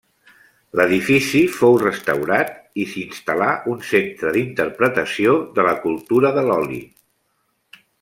L'edifici fou restaurat i s'hi instal·là un centre d'interpretació de la cultura de l'oli.